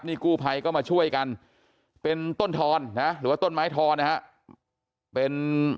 นี่กู้ภัยก็มาช่วยกันเป็นต้นทอนนะหรือว่าต้นไม้ทอนนะฮะ